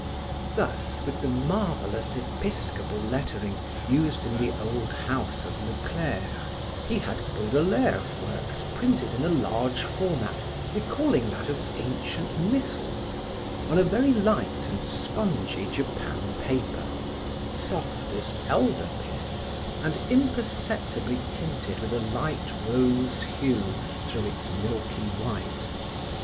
Thus, with the marvelous episcopal lettering used in the old house of Le Clere, he had Baudelaire's works printed in a large format recalling that of ancient missals, on a very light and spongy Japan paper, soft as elder pith and imperceptibly tinted with a light rose hue through its milky white.